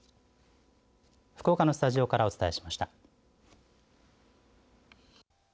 福岡のスタジオからお伝えしました。